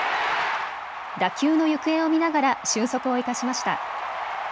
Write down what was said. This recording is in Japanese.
打球の行方を見ながら俊足を生かしました。